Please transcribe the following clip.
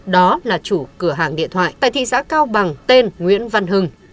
đó là chủ cửa hàng điện thoại tại thị xã cao bằng tên nguyễn văn hưng